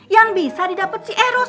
yang bisa didapat si eros